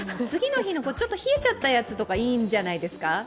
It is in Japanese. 次の日の冷えちゃったやつとかもいいんじゃないですか。